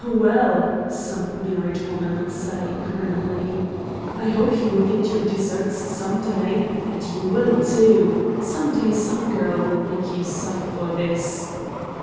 "Well," some married woman would say, grimly, "I hope you will get your deserts some day; and you WILL, too. Some day some girl will make you suffer for this."